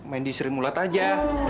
main di sri mulat aja